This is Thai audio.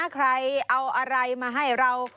ใครเอาอะไรมาให้เรา